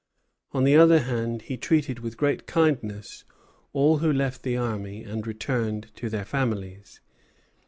On the other hand, he treated with great kindness all who left the army and returned to their families.